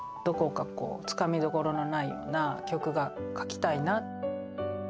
どこかつかみどころのないような曲が書きたいな。